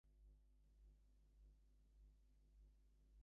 The film was universally panned by critics and audiences.